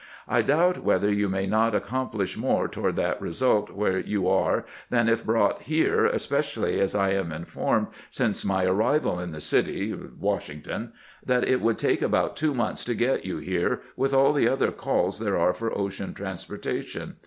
I doubt whether you may not accomplish more toward that result where you are than if brought here, especially as I am informed since my arrival in the city [Washington] that it would take about two months to get you here, with all the other calls there are for ocean transportation.